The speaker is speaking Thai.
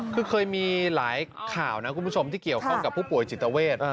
คือเคยมีหลายข่าวนะคุณผู้ชมที่เกี่ยวข้องกับผู้ป่วยจิตเวท